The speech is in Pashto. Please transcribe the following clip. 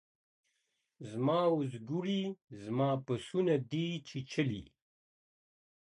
زما اوزگړي زما پسونه دي چیچلي.